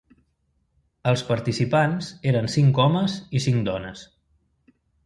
Els participants eren cinc homes i cinc dones.